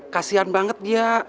kasian banget dia